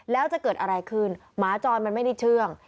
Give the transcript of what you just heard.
แล้วจะเกิดอะไรขึ้นหมาจรมันไม่ได้เชื่อง